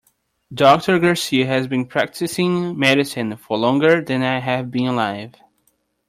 Doctor Garcia has been practicing medicine for longer than I have been alive.